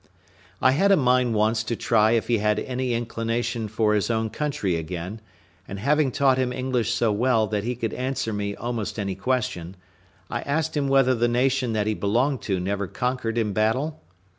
I had a mind once to try if he had any inclination for his own country again; and having taught him English so well that he could answer me almost any question, I asked him whether the nation that he belonged to never conquered in battle?